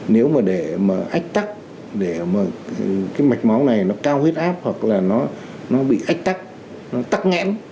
nếu mà để ách tắc để mạch máu này cao huyết áp hoặc là nó bị ách tắc tắc nghẽn